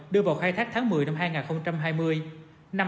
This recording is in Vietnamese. đưa vào khai thác tháng một mươi năm hai nghìn hai mươi